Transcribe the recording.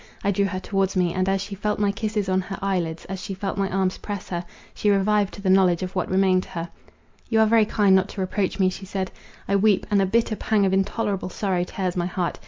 I drew her towards me; and, as she felt my kisses on her eyelids, as she felt my arms press her, she revived to the knowledge of what remained to her. "You are very kind not to reproach me," she said: "I weep, and a bitter pang of intolerable sorrow tears my heart.